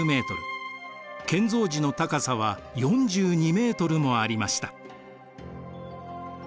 建造時の高さは４２メートルもありました。